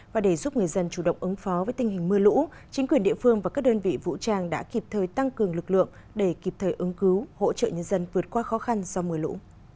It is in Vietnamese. và để giúp người dân chủ động ứng phó với tình hình mưa lũ chính quyền địa phương và các đơn vị vũ trang đã kịp thời tăng cường lực lượng để kịp thời ứng cứu hỗ trợ nhân dân vượt qua khó khăn do mưa lũ